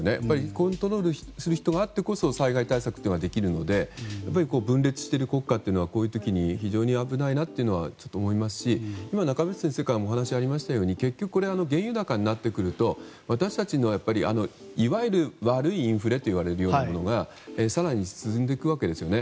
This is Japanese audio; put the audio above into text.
コントロールする人がいてこそ災害対策ができるので分裂している国家はこういう時に非常に危ないなとは思いますし今、中林先生からもお話がありましたようにこれ結局原油高になってくると私たちのいわゆる悪いインフレといわれるようなものが更に進んでいくわけですよね。